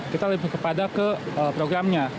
kita lebih kepada ke programnya